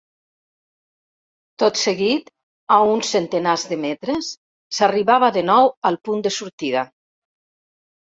Tot seguit, a uns centenars de metres, s'arribava de nou al punt de sortida.